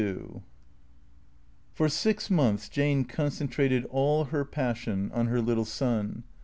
XLII FOE six months Jane concentrated all her passion on her little son.